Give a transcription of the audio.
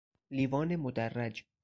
لیوان مدرج